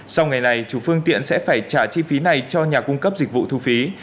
sau ngày này chủ phương tiện sẽ phải trả chi phí này cho nhà cung cấp dịch vụ thu phí